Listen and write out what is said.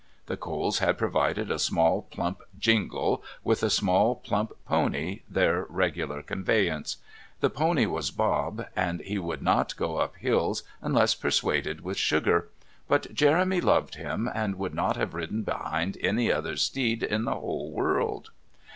The Coles had provided a small plump "jingle" with a small plump pony, their regular conveyance; the pony was Bob, and he would not go up hills unless persuaded with sugar, but Jeremy loved him and would not have ridden behind any other steed in the whole world.